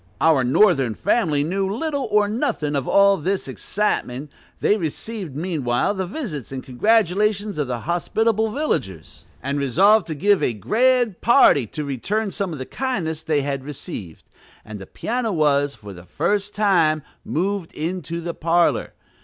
Our "Northern family" knew little or nothing of all this excitement; they received meanwhile the visits and congratulations of the hospitable villagers, and resolved to give a grand party to return some of the kindness they had received, and the piano was, for the first time, moved into the parlor.